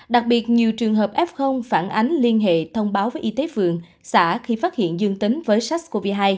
đặc biệt nhiều trường hợp f phản ánh liên hệ thông báo với y tế phường xã khi phát hiện dương tính với sars cov hai